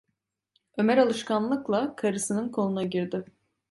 Ömer alışkanlıkla karısının koluna girdi.